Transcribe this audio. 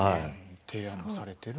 提案されている。